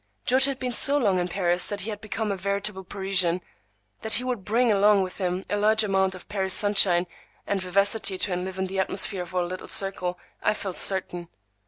George had been so long in Paris that he had become a veritable Parisian. That he would bring along with him a large amount of Paris sunshine and vivacity to enliven the atmosphere of our little circle, I felt certain.